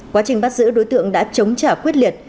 quá trình bắt giữ đối tượng đã chống trả quyết liệt